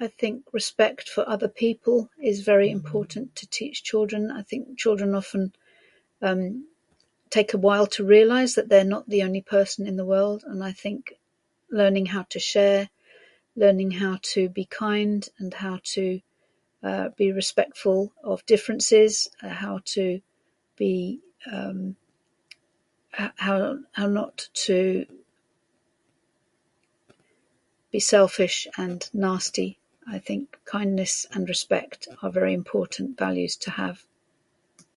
I think respect for other people is very important to teach children. I think children often, um, take a while to realize that they're not the only person in the world. And I think learning how to share, learning how to be kind and how to, uh, be respectful of differences, how to be, um, how how not to be selfish and nasty. I think kindness and respect are very important values to have.